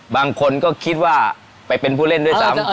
บางคนก็คิดว่าไปเป็นผู้เล่นด้วยซ้ำ